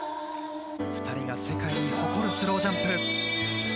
２人が世界に誇るスロージャンプ。